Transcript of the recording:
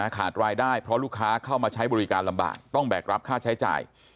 ขาดรายได้เพราะลูกค้าเข้ามาใช้บริการลำบากต้องแบกรับค่าใช้จ่าย